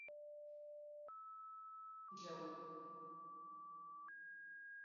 Jauro ba ya son ya tsorata.